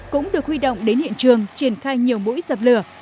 cũng được huy động đến hiện trường triển khai nhiều mũi dập lửa